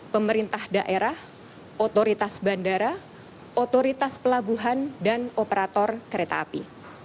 pemerintah daerah otoritas bandara otoritas pelabuhan dan operator kereta api